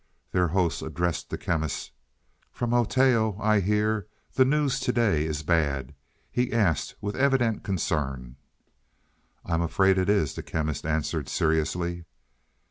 Their host addressed the Chemist. "From Oteo I hear the news to day is bad?" he asked with evident concern. "I am afraid it is," the Chemist answered seriously.